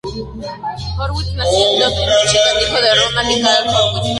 Horwitz nació en Detroit, Míchigan, hijo de Ronald y Carol Horwitz.